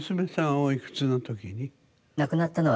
おいくつの時に？